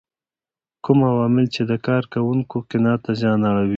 کوم عوامل چې د کار کوونکو قناعت ته زیان اړوي.